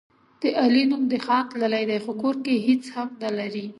د علي نوم د خان تللی دی، خو کور کې هېڅ هم نه لري.